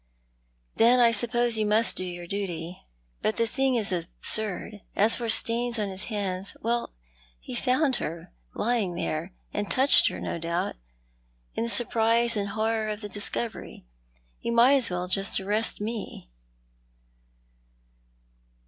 " Then I suppose you must do your duty — but the thing is absurd. As for the stains on his hands— well, he found her lying there, and touched her, no doubt, in the surprise and horror of the discovery. You might just as well arrest me."